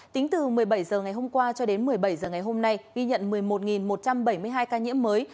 tính từ một mươi bảy h ngày hôm qua cho đến một mươi bảy h ngày hôm nay ghi nhận một mươi một một trăm bảy mươi hai ca nhiễm mới